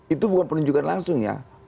itu bukan penunjukan langsung ya